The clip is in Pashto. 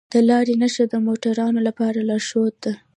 د لارې نښه د موټروانو لپاره لارښود ده.